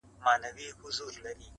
فيصله د اسمانو د عدالت ده.!